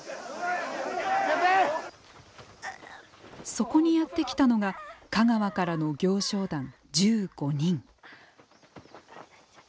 そこにやってきたのが香川からの行商団１５人。